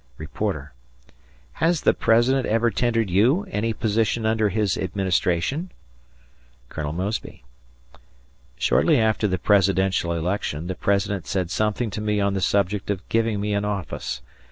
... Reporter: "Has the President ever tendered you any position under his administration?" Colonel Mosby: "Shortly after the presidential election the President said something to me on the subject of giving me an office.